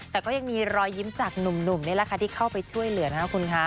แต่ก็ยังมีรอยยิ้มจากหนุ่มนี่แหละค่ะที่เข้าไปช่วยเหลือนะคะคุณคะ